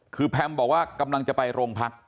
คือแพมบอกว่ากำลังจะไปโรงพัก